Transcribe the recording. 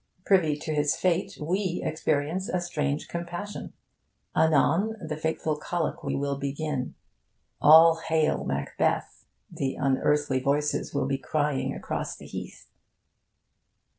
Privy to his fate, we experience a strange compassion. Anon the fateful colloquy will begin. 'All hail, Macbeth' the unearthly voices will be crying across the heath.